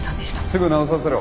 すぐ直させろ。